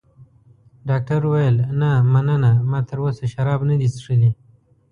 ډاکټر وویل: نه، مننه، ما تراوسه شراب نه دي څښلي.